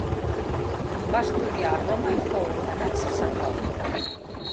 Va estudiar a Roma i fou ordenat sacerdot.